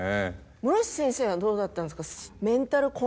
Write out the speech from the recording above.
室伏先生はどうだったんですか？